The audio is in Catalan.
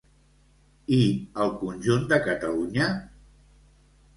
I al conjunt de Catalunya?